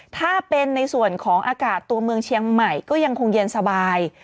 ถ้าเป็นในส่วนของอากาศตัวเมืองเชียงใหม่ก็ยังคงเย็นสบาย